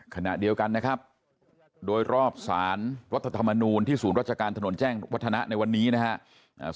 ขณะเดียวกันนะครับโดยรอบสารรัฐธรรมนูลที่ศูนย์ราชการถนนแจ้งวัฒนะในวันนี้นะครับ